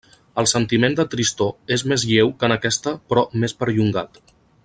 El sentiment de tristor és més lleu que en aquesta però més perllongat.